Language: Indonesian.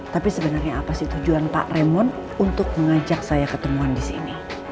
tapi sebenernya apa sih tujuan pak raymond untuk mengajak saya ke temuan di sini